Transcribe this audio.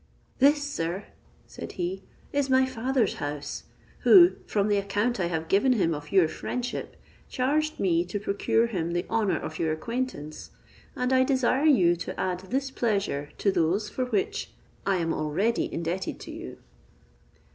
"This, sir," said he, "is my father's house; who, from the account I have given him of your friendship, charged me to procure him the honour of your acquaintance; and I desire you to add this pleasure to those for which I am already indebted to you."